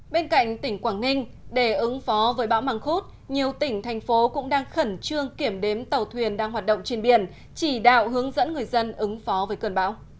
bên cạnh tỉnh quảng ninh để ứng phó với bão măng khuốt nhiều tỉnh thành phố cũng đang khẩn trương kiểm đếm tàu thuyền đang hoạt động trên biển chỉ đạo hướng dẫn người dân ứng phó với cơn bão